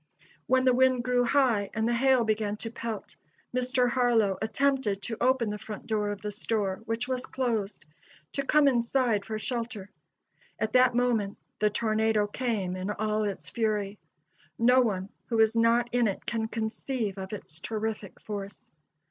When the wind grew high and the hail began to pelt, Mr. Harlow attempted to open the front door of the store, which was closed, to come inside for shelter. At that moment the tornado came in all its fury. No one who was not in it can conceive of its terrific force.